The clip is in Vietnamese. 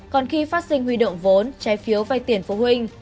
còn khi phát sinh huy động vốn trái phiếu vay tiền phụ huynh